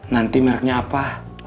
nanti mereknya apa